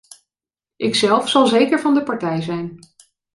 Ikzelf zal zeker van de partij zijn.